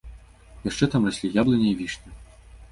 Яшчэ там раслі яблыня і вішня.